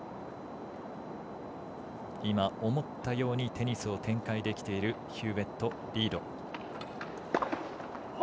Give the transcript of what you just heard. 思ったようにテニスを展開できているイギリスヒューウェット、リード。